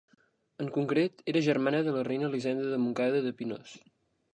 En concret, era germana de la reina Elisenda de Montcada i de Pinós.